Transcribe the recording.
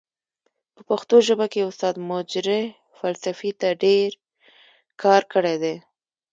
په پښتو ژبه کې استاد مجرح فلسفې ته ډير کار کړی دی.